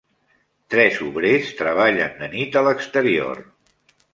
Tres obrers treballen de nit a l'exterior